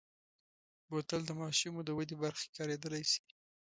بوتل د ماشومو د ودې برخه کې کارېدلی شي.